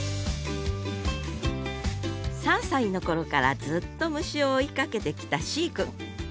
３歳の頃からずっと虫を追いかけてきた四位くん。